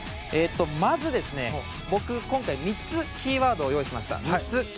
まず、僕、今回３つキーワードを用意しました。